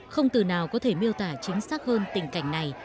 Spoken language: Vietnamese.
không từ nào có thể miêu tả chính xác hơn tình cảnh này